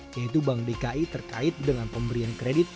yaitu bank dki terkait dengan pemberian kredit